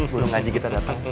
burung ngaji kita datang